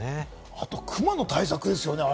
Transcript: あとクマの対策ですよね。